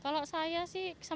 kalau saya sih sama sama